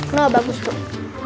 kenapa bagus tuh